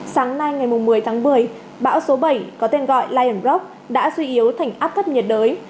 sáng nay ngày một mươi tháng một mươi bão số bảy có tên gọi lion rock đã duy yếu thành áp thấp nhiệt đới